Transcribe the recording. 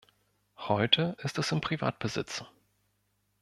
Heute ist es in Privatbesitz.